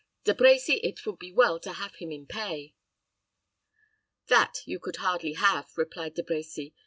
De Brecy, it would be well to have him in pay." "That you could hardly have," replied De Brecy.